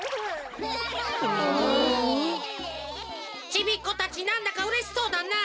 ちびっこたちなんだかうれしそうだなあ。